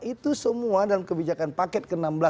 itu semua dalam kebijakan paket ke enam belas